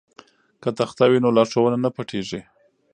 که تخته وي نو لارښوونه نه پټیږي.